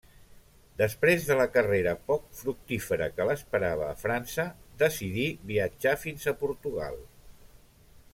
Després de la carrera poc fructífera que l'esperava a França, decidí viatjar fins a Portugal.